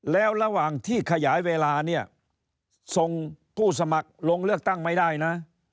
แล้วระหว่างที่ขยายเวลาเนี่ยส่งผู้สมัครลงเลือกตั้งไม่ได้นะ